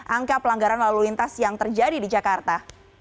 angka pelanggaran lalu lintas yang terjadi di jakarta